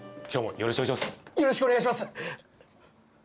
よろしくお願いします